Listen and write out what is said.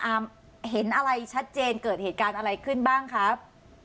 เห็นอะไรชัดเจนเกิดเหตุการณ์อะไรขึ้นบ้างครับ